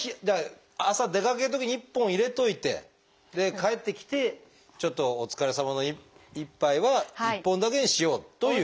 朝出かけるときに１本入れといてで帰ってきてちょっとお疲れさまの１杯は１本だけにしようという。